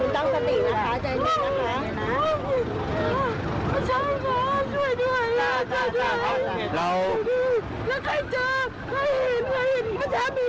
เดี๋ยวคุณต้องประติภาพนะคะใจเย็น